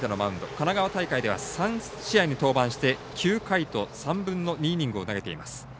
神奈川大会では３試合に登板して９回と３分の２イニングを投げています。